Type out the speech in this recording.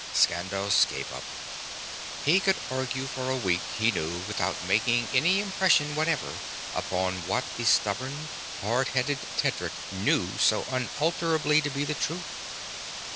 Skandos gave up. He could argue for a week, he knew, without making any impression whatever upon what the stubborn, hard headed Tedric knew so unalterably to be the truth.